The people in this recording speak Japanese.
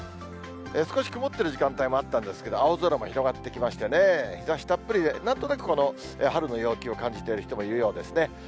少し曇ってる時間帯もあったんですけれども、青空も広がってきましてね、日ざしたっぷりで、なんとなく春の陽気を感じている人もいるようですね。